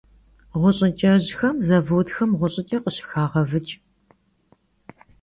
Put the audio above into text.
Ğuş'ıç'ejxem zavodxem ğuş'ıç'e khışıxağevıç'.